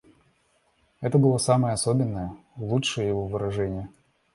Это было самое особенное, лучшее его выражение.